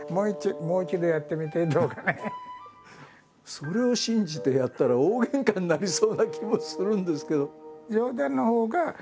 それを信じてやったら大げんかになりそうな気もするんですけど。